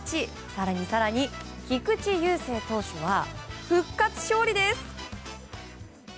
更に更に菊池雄星投手は復活勝利です！